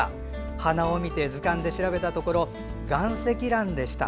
花を見て、図鑑で調べたところガンセキランでした。